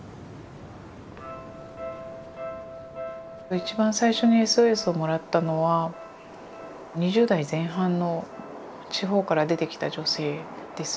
一番最初にＳＯＳをもらったのは２０代前半の地方から出てきた女性です。